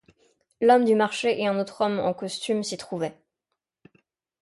L'homme du marché et un autre homme en costume s'y trouvait.